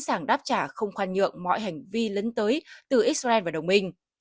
sẵn sàng đáp trả không khoan nhượng mọi hành vi lấn tới từ israel và đồng minh